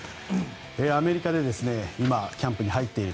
アメリカで今、キャンプに入っていると。